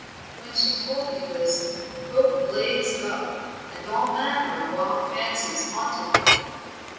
When she told me this hope blazed up, and all manner of wild fancies haunted me.